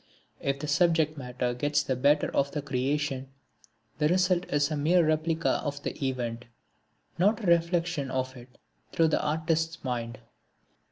If the subject matter gets the better of the creation, the result is a mere replica of the event, not a reflection of it through the Artist's mind.